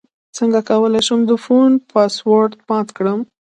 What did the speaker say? څنګه کولی شم د فون پاسورډ مات کړم